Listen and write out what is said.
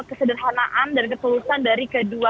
kesederhanaan dan ketulusan dari kedua